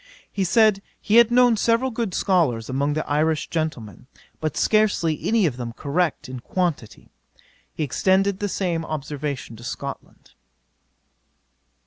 'He said, he had known several good scholars among the Irish gentlemen; but scarcely any of them correct in quantity. He extended the same observation to Scotland.